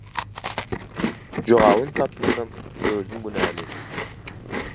Jogabyn tapmasam özüm günäli.